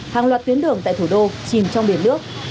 hàng loạt tuyến đường tại thủ đô chìm trong biển nước